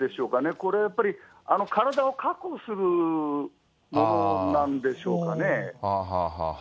これはやっぱり、体を確保するものなんでしょうかね。